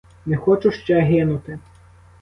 Не хочу ще гинути.